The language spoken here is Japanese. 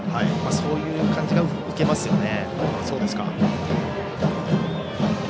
そういう感じが見受けられますね。